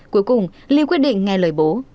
cuối cùng liu quyết định nghe lời bố